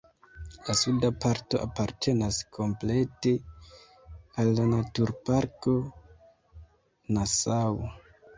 La suda parto apartenas komplete al la naturparko Nassau.